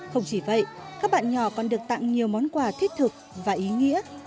không chỉ vậy các bạn nhỏ còn được tặng nhiều món quà thiết thực và ý nghĩa